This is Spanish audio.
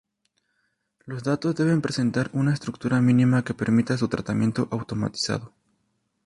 Los datos deben presentar una estructura mínima que permita su tratamiento automatizado.